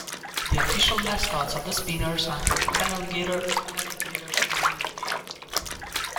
The official mascots of the Spinners are Canaligator, Allie-Gator, and Millie-Gator.